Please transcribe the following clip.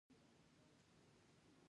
آیا ایران نه وايي چې دا سوله ییز دی؟